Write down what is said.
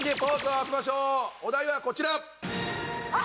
お題はこちら！